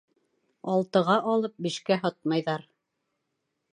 Алтыға алып. бишкә һатмайҙар.